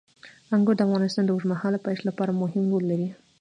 انګور د افغانستان د اوږدمهاله پایښت لپاره مهم رول لري.